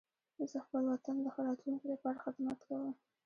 زه خپل وطن د ښه راتلونکي لپاره خدمت کوم.